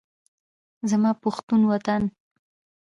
زما پښتون وطن